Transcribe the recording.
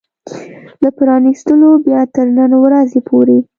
له پرانيستلو بيا تر نن ورځې پورې